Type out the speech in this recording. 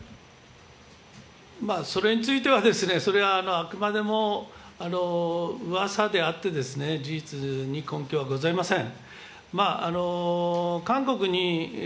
それについては、それはあくまでもうわさであって、事実に根拠はございません。